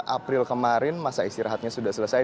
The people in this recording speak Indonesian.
april kemarin masa istirahatnya sudah selesai